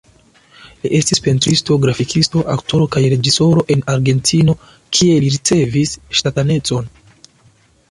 Li estis pentristo, grafikisto, aktoro kaj reĝisoro en Argentino, kie li ricevis ŝtatanecon.